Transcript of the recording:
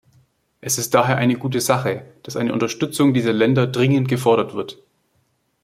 Es ist daher eine gute Sache, dass eine Unterstützung dieser Länder dringend gefordert wird.